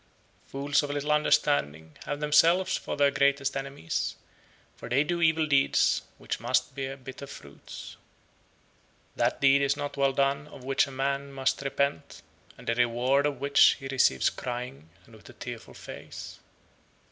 66. Fools of little understanding have themselves for their greatest enemies, for they do evil deeds which must bear bitter fruits. 67. That deed is not well done of which a man must repent, and the reward of which he receives crying and with a tearful face.